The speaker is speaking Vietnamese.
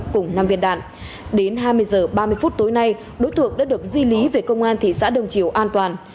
cùng năm viên đạn đến hai mươi h ba mươi phút tối nay đối tượng đã được di lý về công an thị xã đông triều an toàn